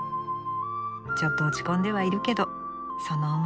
ちょっと落ち込んではいるけどその思い